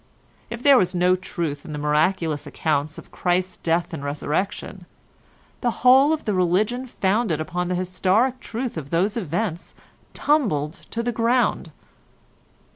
If there was no truth in the miraculous accounts of Christ's Death and Resurrection, the whole of the religion founded upon the historic truth of those events tumbled to the ground.